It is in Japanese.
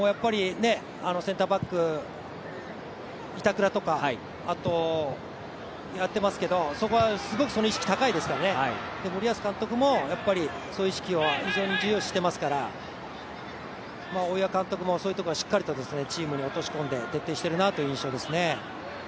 センターバック板倉、あと、やってますけどそこはすごく意識高いですから森保監督も、そういう意識は非常に重要視してますから大岩監督もそういうところをしっかりチームに落とし込んで徹底しているなという印象ですね。